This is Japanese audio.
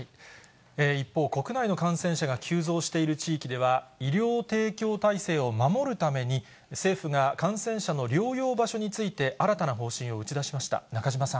一方、国内の感染者が急増している地域では、医療提供体制を守るために、政府が感染者の療養場所について、新たな方針を打ち出しました。